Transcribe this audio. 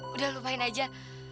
udah lupain aja